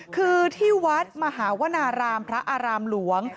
คือที่วัดมหาวนารามพระอารามหลวง